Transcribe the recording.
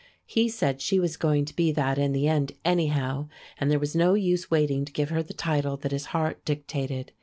He said she was going to be that in the end, anyhow, and there was no use waiting to give her the title that his heart dictated.